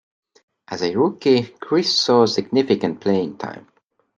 As a rookie, Chris saw significant playing time.